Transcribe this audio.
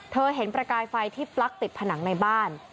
เห็นประกายไฟที่ปลั๊กติดผนังในบ้าน